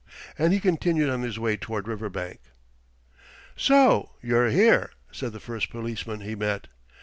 And he continued on his way toward Riverbank. "So you're here," said the first policeman he met.